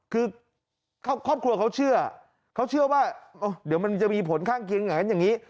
คือครอบครัวเขาเชื่อเขาเชื่อว่าเดี๋ยวมันจะมีผลข้างเคียงอย่างนั้นอย่างนี้